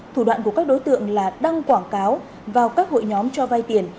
thủ đoạn của các đối tượng là đăng quảng cáo vào các hội nhóm cho vay tiền